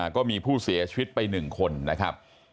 ก็มีผู้เสียชีวิตไป๑คนนะครับ